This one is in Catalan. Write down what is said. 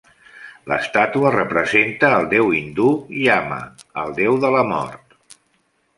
L'estàtua representa el déu hindú Yama, el déu de la mort.